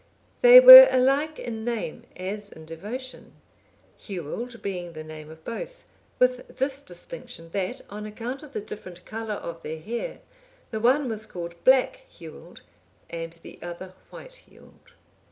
They were alike in name as in devotion, Hewald being the name of both, with this distinction, that, on account of the different colour of their hair, the one was called Black Hewald and the other White Hewald.